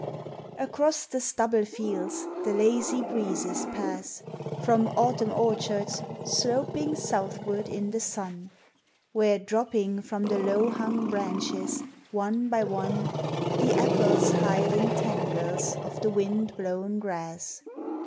ACROSS the stubble fields the lazy breezes pass, From Autumn orchards sloping southward in the sun, Where dropping from the low hung branches, one by one, The apples hide in tangles of the wind blown grass.